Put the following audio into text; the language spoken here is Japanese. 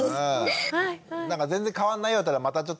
なんか全然変わんないようだったらまたちょっと教えて。